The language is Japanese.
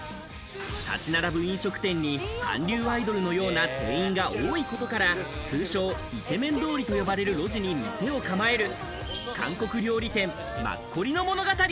立ち並ぶ飲食店に韓流アイドルのような店員が多いことから、通称イケメン通りと呼ばれる路地に店を構える、韓国料理店、マッコリの物語。